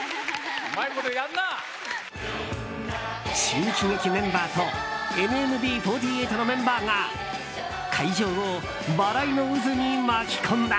新喜劇メンバーとＮＭＢ４８のメンバーが会場を笑いの渦に巻き込んだ。